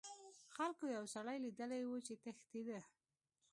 خلکو یو سړی لیدلی و چې تښتیده.